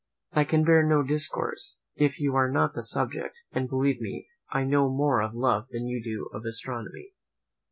"I can bear no discourse, if you are not the subject; and believe me, I know more of love than you do of astronomy.